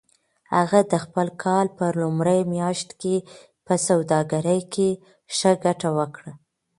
هغه د خپل کار په لومړۍ میاشت کې په سوداګرۍ کې ښه ګټه وکړه.